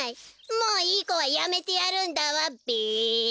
もういいこはやめてやるんだわべ！